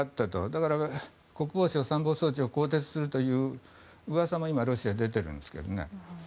だから国防相、参謀総長を更迭するという噂もロシアに出てるんですけどね。